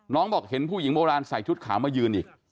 บอกเห็นผู้หญิงโบราณใส่ชุดขาวมายืนอีก